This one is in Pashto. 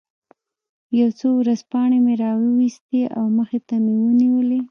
یو څو ورځپاڼې مې را وویستلې او مخې ته مې ونیولې.